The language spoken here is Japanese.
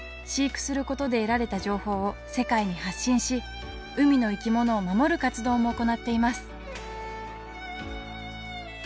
飼育することで得られた情報を世界に発信し海の生き物を守る活動も行っています